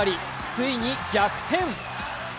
ついに逆転！